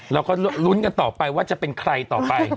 เราก็ลุ้นกันต่อไปว่าจะเป็นใครต่อไป